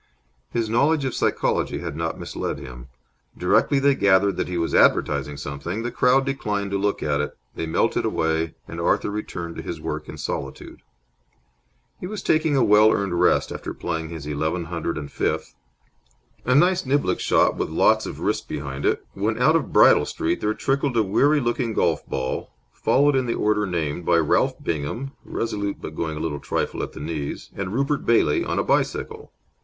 His knowledge of psychology had not misled him. Directly they gathered that he was advertising something, the crowd declined to look at it; they melted away, and Arthur returned to his work in solitude. He was taking a well earned rest after playing his eleven hundred and fifth, a nice niblick shot with lots of wrist behind it, when out of Bridle Street there trickled a weary looking golf ball, followed in the order named by Ralph Bingham, resolute but going a trifle at the knees, and Rupert Bailey on a bicycle.